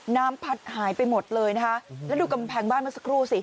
น้ำพัดหายไปหมดเลยนะคะแล้วดูกำแพงบ้านเมื่อสักครู่สิ